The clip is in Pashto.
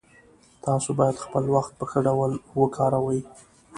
تاسو باید خپل وخت په ښه ډول وکاروئ